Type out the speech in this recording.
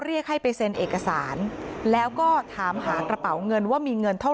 เรียกให้ไปเซ็นเอกสารแล้วก็ถามหากระเป๋าเงินว่ามีเงินเท่าไ